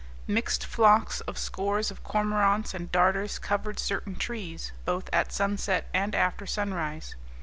Mixed flocks of scores of cormorants and darters covered certain trees, both at sunset and after sunrise.